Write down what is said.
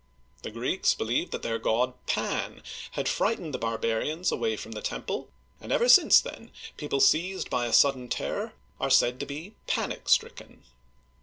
The Greeks believed that their god Pan had frightened the barbarians away from the temple, and ever since then, people seized by a sudden terror are said to be "panic stricken."